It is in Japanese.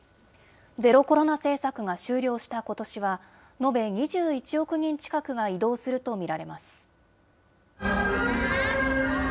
ゼロコロナ政策が終了したことしは、延べ２１億人近くが移動すると見られます。